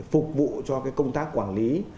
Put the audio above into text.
phục vụ cho cái công tác quản lý